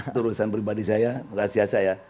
itu urusan pribadi saya makasih ya saya